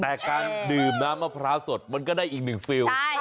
แต่การดื่มน้ำมะพร้าวสดมันก็ได้อีกหนึ่งฟิล